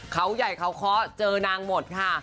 เขาใหญ่เขาเคาะเจอนางหมดค่ะ